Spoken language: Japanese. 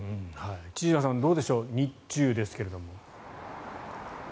千々岩さん、どうでしょう日中ですけれども。